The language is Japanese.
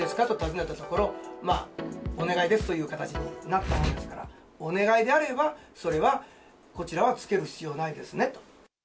と尋ねたところ、お願いですという形になったものですから、お願いであれば、それは、こちらは着ける必要ないですねと。